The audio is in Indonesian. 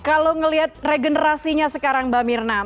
kalau melihat regenerasinya sekarang mbak mirna